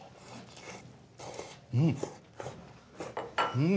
うん。